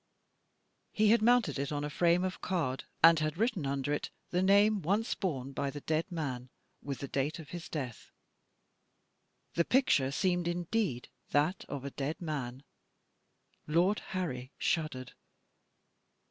He had mounted it on a frame of card, and had written under it the name once borne by the dead man, with the date of his death. The picture seemed indeed that of a dead man. Lord Harry shuddered.